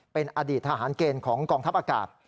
เป็นอดีตทหารเกณฑ์ของกองทัพอากาศ